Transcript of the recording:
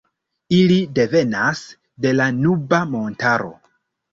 Ili devenas de la Nuba-montaro.